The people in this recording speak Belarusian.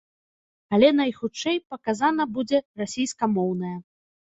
Але, найхутчэй, паказана будзе расейскамоўная.